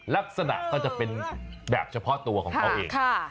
ลักษณะก็จะเป็นแบบเฉพาะตัวของเขาเอง